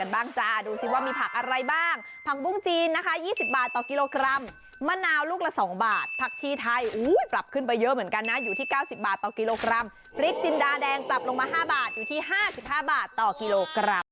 บ้างจ้าดูสิว่ามีผักอะไรบ้างผักบุ้งจีนนะคะ๒๐บาทต่อกิโลกรัมมะนาวลูกละ๒บาทผักชีไทยปรับขึ้นไปเยอะเหมือนกันนะอยู่ที่๙๐บาทต่อกิโลกรัมพริกจินดาแดงปรับลงมา๕บาทอยู่ที่๕๕บาทต่อกิโลกรัม